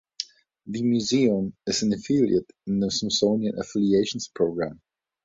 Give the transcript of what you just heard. The museum is an affiliate in the Smithsonian Affiliations program.